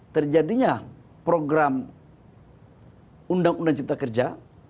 terjadinya program undang undang cipta kerja